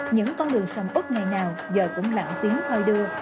những con đường sầm út ngày nào giờ cũng lặng tiếng khoi đưa